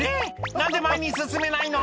何で前に進めないの？」